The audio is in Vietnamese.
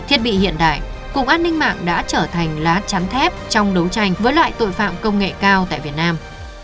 hiện đại cục an ninh mạng đã trở thành lá trắng thép trong đấu tranh với loại tội phạm công nghệ cao tại việt nam